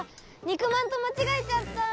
肉まんとまちがえちゃった！